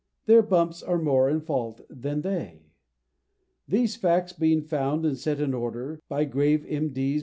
Their bumps are more in fault than they. These facts being found and set in order By grave M. D.'